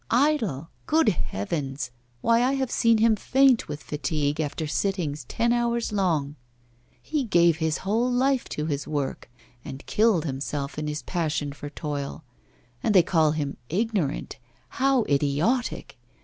Idle! good heavens! why, I have seen him faint with fatigue after sittings ten hours long; he gave his whole life to his work, and killed himself in his passion for toil! And they call him ignorant how idiotic!